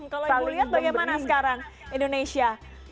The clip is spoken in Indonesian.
kalau ibu lihat bagaimana sekarang indonesia